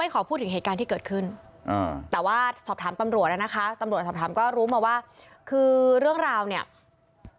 ขอพูดถึงเหตุการณ์ที่เกิดขึ้นแต่ว่าสอบถามตำรวจแล้วนะคะตำรวจสอบถามก็รู้มาว่าคือเรื่องราวเนี่ย